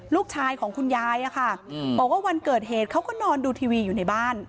ลูกชายของคุณยายอะค่ะบอกว่าวันเกิดเหตุเขาก็นอนดูทีวีอยู่ในบ้าน